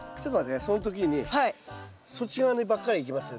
その時にそっち側にばっかりいきますよね。